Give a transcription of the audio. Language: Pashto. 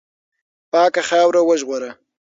پاکه خاوره وژغوره.